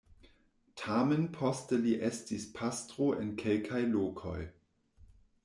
Tamen poste li estis pastro en kelkaj lokoj.